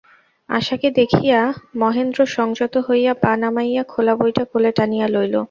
আশাকে দেখিয়া মহেন্দ্র সংযত হইয়া পা নামাইয়া খোলা বইটা কোলে টানিয়া লইল।